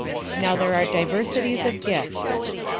Now there are diversities of gifts.